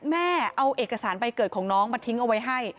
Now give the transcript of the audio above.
แม่เอาเอกสารใบเกิดของน้องมาทิ้งเอาไว้ให้